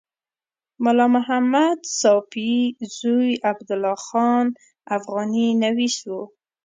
ملا محمد ساپي زوی عبدالله خان افغاني نویس و.